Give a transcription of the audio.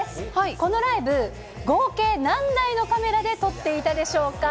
このライブ、合計何台のカメラで撮っていたでしょうか。